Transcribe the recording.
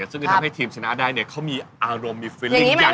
ซึ่งจะทำให้ทีมสนะได้เขามีอารมณ์มีความรู้สึกอย่างไรบ้าง